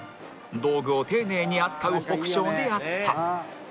道具を丁寧に扱う北照であった